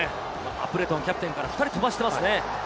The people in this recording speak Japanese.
アプレトン、キャプテンから２人飛ばしていますよね。